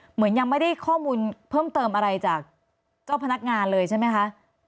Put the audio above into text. เหมือนยังไม่ได้ข้อมูลเพิ่มเติมอะไรจากเจ้าพนักงานเลยใช่ไหมคะ